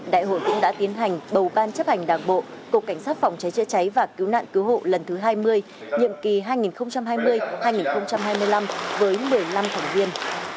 đại hội cũng đã tiến hành bầu ban chấp hành đảng bộ cục cảnh sát phòng cháy chữa cháy và cứu nạn cứu hộ lần thứ hai mươi nhiệm kỳ hai nghìn hai mươi hai nghìn hai mươi năm với một mươi năm thành viên